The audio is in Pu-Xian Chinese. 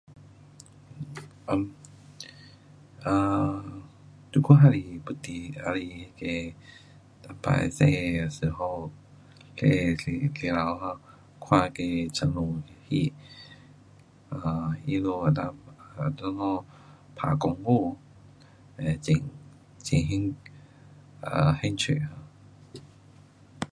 um 我还是要得还是那个以前小的时候，小的时头，看那个成龙戏，um 他们可以在那里打功夫。很兴，兴趣。